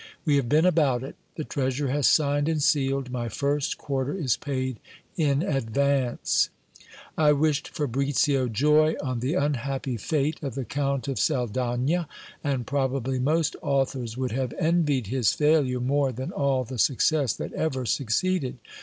We have been about it : the treasurer has signed and sealed ; my first quarter is paid in advance I wished Fabricio joy on the unhappy fate of "The Count of Saldagna," and probably most authors would have envied his failure more than all the success that ever succeeded.